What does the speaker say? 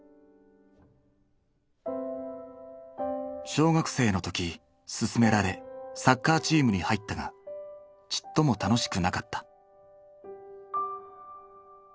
小学生の時勧められサッカーチームに入ったがちっとも楽しくなかった。